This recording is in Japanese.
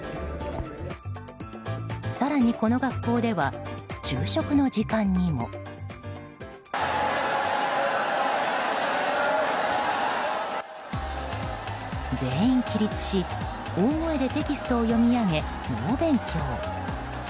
更に、この学校では昼食の時間にも。全員起立し、大声でテキストを読み上げ猛勉強。